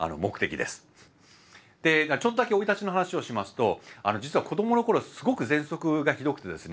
でちょっとだけ生い立ちの話をしますと実は子どもの頃すごくぜんそくがひどくてですね